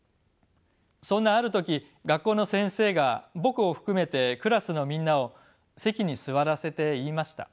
そんなある時学校の先生が僕を含めてクラスのみんなを席に座らせて言いました。